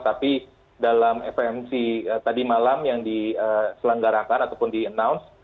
tapi dalam fmc tadi malam yang diselenggarakan ataupun di announce